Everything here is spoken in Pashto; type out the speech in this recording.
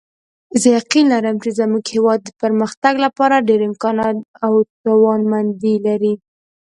زه یقین لرم چې زموږ هیواد د پرمختګ لپاره ډېر امکانات او توانمندۍ لري